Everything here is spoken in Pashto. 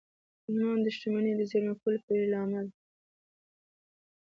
ایمان د شتمنۍ د زېرمه کولو پیلامه ده